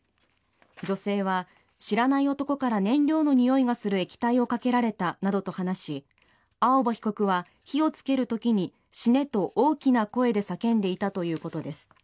女性は、知らない男から燃料のにおいがする液体をかけられたなどと話し青葉被告は火をつけるときに死ねと大きな声で叫んでいたということです。